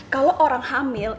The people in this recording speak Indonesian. kalau orang hamil